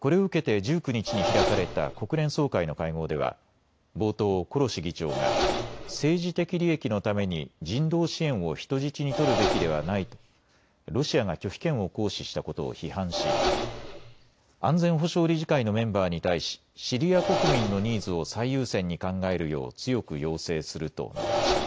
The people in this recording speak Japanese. これを受けて１９日に開かれた国連総会の会合では冒頭、コロシ議長が政治的利益のために人道支援を人質に取るべきではないとロシアが拒否権を行使したことを批判し、安全保障理事会のメンバーに対しシリア国民のニーズを最優先に考えるよう強く要請すると述べました。